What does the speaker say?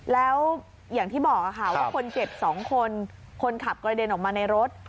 แล้วอย่างที่บอกค่ะว่าคนเจ็บ๒คนคนขับกระเด็นออกมาในรถ